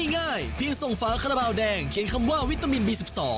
ง่ายเพียงทรงฟ้าขนาดแบบแดงเขียนคำว่าวิตามินบี๑๒